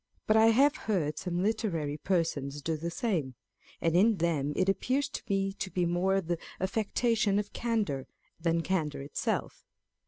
But I have heard some literary persons do the same ; and in them it appears to me to be more the affectation of candour, than candour itself.